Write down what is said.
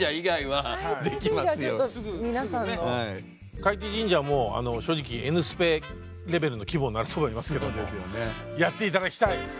「海底神社」はもう正直「Ｎスペ」レベルの規模になると思いますけどもやって頂きたい。